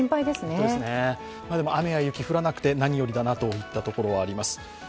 でも雨や雪、降らなくてなによりだなといったところはあります。